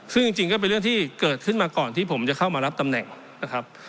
ซึ่งจริงก็เป็นเรื่องที่เกิดขึ้นมาก่อนที่ผมจะเข้ามารับตำแหน่งนะครับ